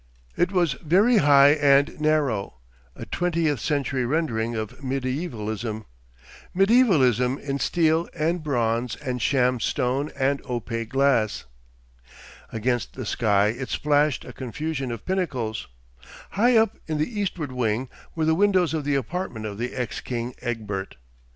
It was very high and narrow, a twentieth century rendering of mediaevalism, mediaevalism in steel and bronze and sham stone and opaque glass. Against the sky it splashed a confusion of pinnacles. High up in the eastward wing were the windows of the apartments of the ex king Egbert.